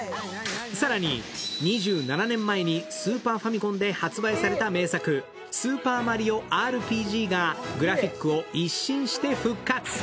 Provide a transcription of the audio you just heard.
更に、２７年前にスーパーファミコンで発売された名作「スーパーマリオＲＰＧ」がグラフィックを一新して復活。